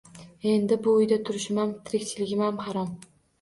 Endi bu uyda turishimam, tirikchiligimam harom